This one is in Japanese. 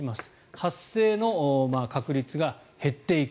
発生の確率が減っていく。